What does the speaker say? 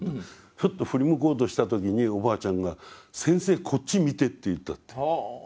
ふっと振り向こうとした時におばあちゃんが「先生こっち見て」って言ったって。